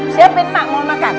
siapin emak mau makan